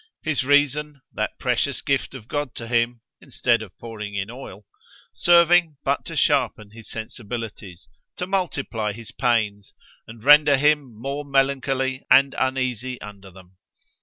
—his reason, that precious gift of God to him—(instead of pouring in oil) serving but to sharpen his sensibilities—to multiply his pains, and render him more melancholy and uneasy under them!